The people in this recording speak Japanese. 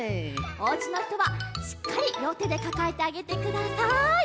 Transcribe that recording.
おうちのひとはしっかりりょうてでかかえてあげてください。